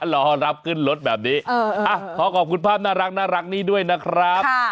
รอรับขึ้นรถแบบนี้ขอขอบคุณภาพน่ารักนี้ด้วยนะครับ